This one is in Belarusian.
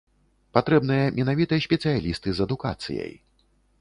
Патрэбныя менавіта спецыялісты з адукацыяй.